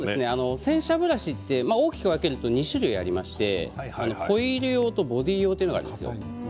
洗車ブラシって大きく分けると２種類ありましてホイール用とボディー用というのがあります。